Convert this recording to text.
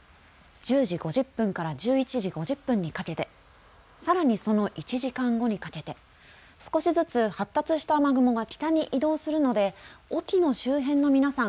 １０時５０分から１１時５０分にかけて、さらにその１時間後にかけて少しずつ発達した雨雲が北に移動するので隠岐の周辺の皆さん